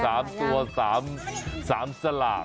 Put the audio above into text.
สามตัวสามสามสลาก